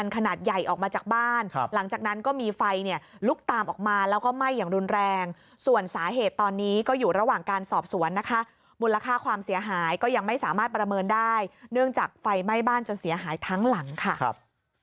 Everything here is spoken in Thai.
ขนาดใหญ่ออกมาจากบ้านหลังจากนั้นก็มีไฟเนี่ยลุกตามออกมาแล้วก็ไหม้อย่างรุนแรงส่วนสาเหตุตอนนี้ก็อยู่ระหว่างการสอบสวนนะคะมูลค่าความเสียหายก็ยังไม่สามารถประเมินได้เนื่องจากไฟไหม้บ้านจนเสียหายทั้งหลังค่ะครับ